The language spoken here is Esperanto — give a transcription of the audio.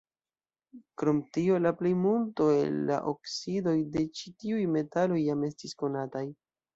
Krom tio la plejmulto el la oksidoj de ĉi-tiuj metaloj jam estis konataj.